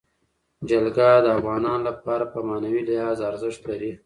جلګه د افغانانو لپاره په معنوي لحاظ ارزښت لري.